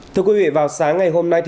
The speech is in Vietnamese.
thưa quý vị vào sáng ngày hôm nay